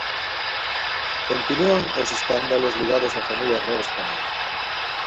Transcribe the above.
Continúan os escándalos ligados á familia real española.